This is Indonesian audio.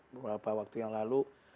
beberapa waktu yang lalu